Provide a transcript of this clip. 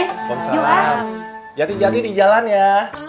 assalamualaikum jati jati di jalan ya